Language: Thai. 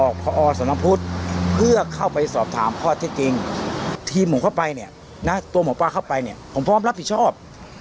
เข้าไปสอบถามพอสใจจริงทีมเข้าไปตัวหมอกปลาเข้าไปผมพร้อมรับผิดชอบ